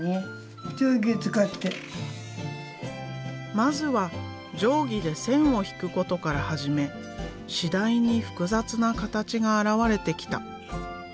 まずは定規で線を引くことから始め次第に複雑な形が現れてきた。